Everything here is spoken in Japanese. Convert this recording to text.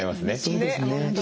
そうですね。